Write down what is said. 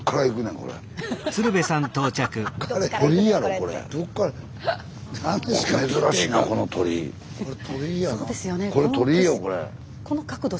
これ鳥居よこれ。